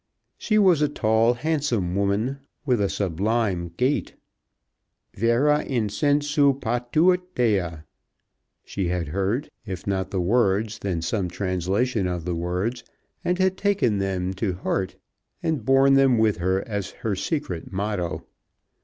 She was a tall, handsome woman, with a sublime gait. "Vera incessu patuit Dea." She had heard, if not the words, then some translation of the words, and had taken them to heart, and borne them with her as her secret motto.